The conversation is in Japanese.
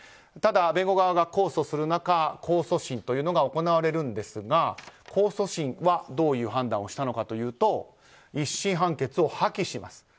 ただ、弁護側が控訴する中控訴審が行われるんですが控訴審はどういう判断をしたのかというと１審判決を破棄します。